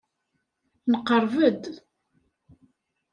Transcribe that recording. Nqerreb-d.